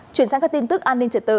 chuyển sang các tin tức an ninh trật tự